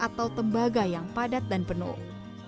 atau tembaga yang padat dan penuh